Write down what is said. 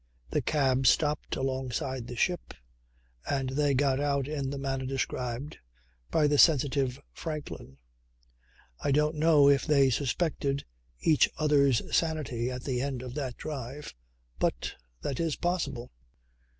The cab stopped alongside the ship and they got out in the manner described by the sensitive Franklin. I don't know if they suspected each other's sanity at the end of that drive. But that is possible.